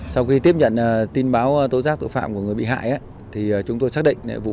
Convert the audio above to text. sau khi tiếp nhận tin báo tố giác tội phạm của người bị hại chúng tôi xác định vụ viện